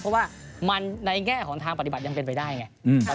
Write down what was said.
เพราะว่ามันในแง่ของทางปฏิบัติยังเป็นไปได้ไง